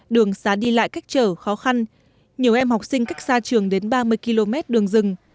đường xá đi lại cách trở khó khăn nhiều em học sinh cách xa trường đến ba mươi km đường rừng